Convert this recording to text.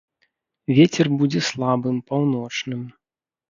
Вецер будзе слабым, паўночным.